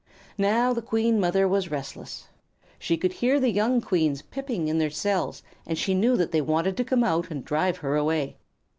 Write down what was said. Now the Queen Mother was restless. She could hear the young Queens piping in their cells, and she knew that they wanted to come out and drive her away.